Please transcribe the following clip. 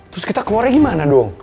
terus kita keluarnya gimana dong